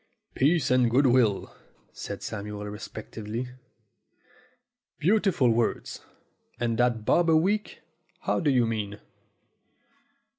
"Peace and good will," said Samuel reflectively. "Beautiful words! And that bob a week? How do you mean?"